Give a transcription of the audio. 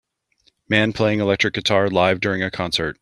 Man playing electric guitar live during a concert.